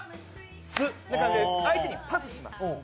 「ス」って感じで相手にパスします